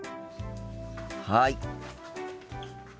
はい。